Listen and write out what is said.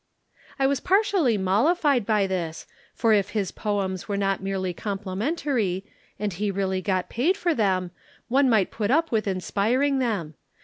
"I was partially mollified by this, for if his poems were not merely complimentary, and he really got paid for them, one might put up with inspiring them.